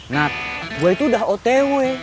nah gue itu udah otw